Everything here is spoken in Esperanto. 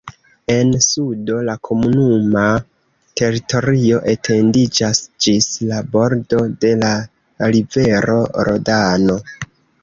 En sudo la komunuma teritorio etendiĝas ĝis la bordo de la rivero Rodano.